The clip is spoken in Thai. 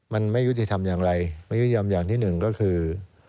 มันไม่ยุติธรรมอย่างไรไม่ยุติธรรมอย่างที่หนึ่งก็คือ